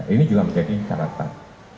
ini juga menjadi caratan